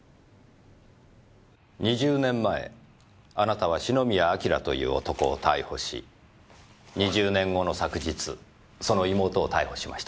２０年前あなたは篠宮彬という男を逮捕し２０年後の昨日その妹を逮捕しました。